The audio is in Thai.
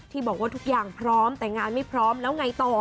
บอกว่าทุกอย่างพร้อมแต่งานไม่พร้อมแล้วไงต่อ